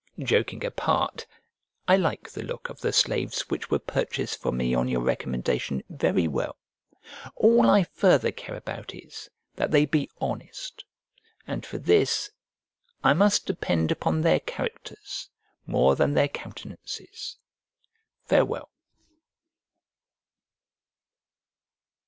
Joking apart, I like the look of the slaves which were purchased for me on your recommendation very well; all I further care about is, that they be honest: and for this I must depend upon their characters more than their countenances. Farewell.